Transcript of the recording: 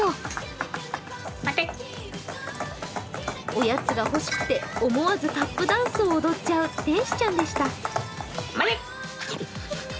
おやつが欲しくて思わずタップダンスを踊っちゃう天使ちゃんでした。